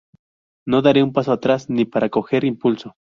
No daré un paso atrás ni para coger impulso